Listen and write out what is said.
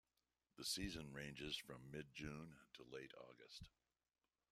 The season ranges from mid-June to late August.